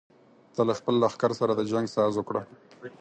ته له خپل لښکر سره د جنګ ساز وکړه.